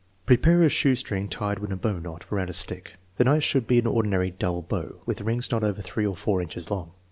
Prepare a shoestring tied in a bow knot around a stick. The knot should be an ordinary " double bow," with wings not over three or four inches long.